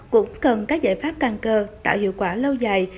cũng cần các giải pháp căng cơ tạo hiệu quả lâu dài